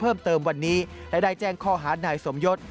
เพิ่มเติมวันนี้และได้แจ้งข้อหานายสมยศ